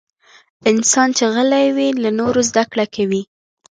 انسان چې غلی وي، له نورو زدکړه کوي.